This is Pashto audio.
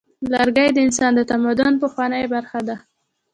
لرګی د انسان د تمدن پخوانۍ برخه ده.